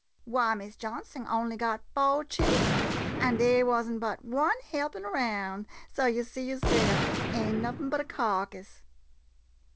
Why, Miss Johnsing only got four childern, an' dey was n't but one helpin' round — so yo' see yo'self, ain't nuffin but a carcass.